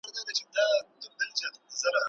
خپلي خبري ته ژمن واوسئ.